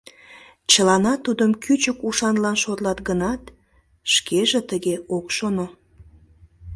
Чыланат тудым кӱчык ушанлан шотлат гынат, шкеже тыге ок шоно.